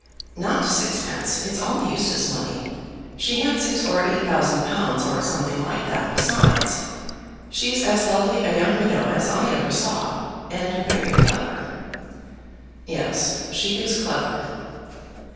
"Not sixpence. It's all Eustace money. She had six or eight thousand pounds, or something like that, besides. She's as lovely a young widow as I ever saw, and very clever." "Yes; she is clever."